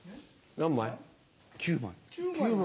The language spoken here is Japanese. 何枚？９枚。